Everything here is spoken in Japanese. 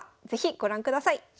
是非ご覧ください。